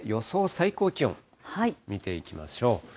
最高気温、見ていきましょう。